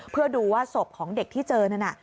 เพื่อดูว่าศพของเด็กที่เจอนั่นน่ะ